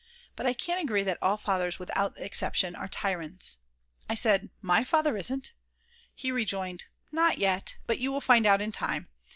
But I can't agree that all fathers without exception are tyrants. I said: "My Father isn't!" He rejoined: "Not yet, but you will find out in time.